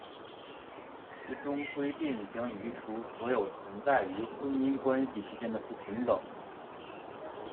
其中规定将移除所有存在于婚姻关系之间的不平等。